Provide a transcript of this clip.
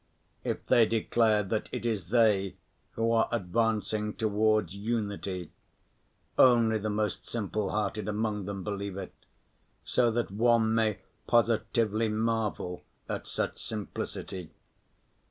If they declare that it is they who are advancing towards unity, only the most simple‐hearted among them believe it, so that one may positively marvel at such simplicity.